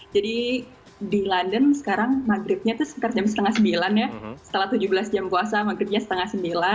jadi di london sekarang maghribnya itu sekitar jam setengah sembilan ya setelah tujuh belas jam puasa maghribnya setengah sembilan